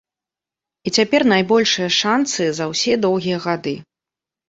І цяпер найбольшыя шанцы за ўсе доўгія гады.